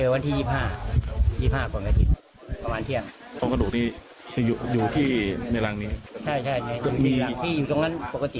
ไม่มีไม่เห็นที่ตรงนั้น